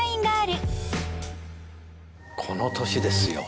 この年ですよ。